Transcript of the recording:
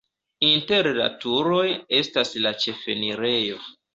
Inter la turoj estas la ĉefenirejo.